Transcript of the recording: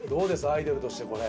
アイドルとしてこれ。